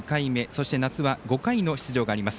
そして夏は５回の出場があります。